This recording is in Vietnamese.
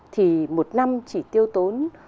thì một năm chỉ tiêu tốn